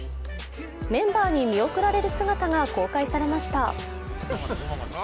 メンバーに見送られる姿が公開されました。